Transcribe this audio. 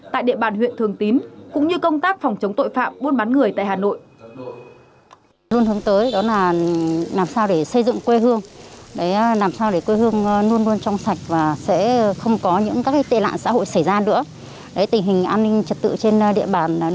tại địa bàn huyện thường tín cũng như công tác phòng chống tội phạm buôn bán người tại hà nội